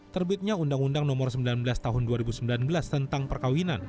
terbitnya undang undang nomor sembilan belas tahun dua ribu sembilan belas tentang perkawinan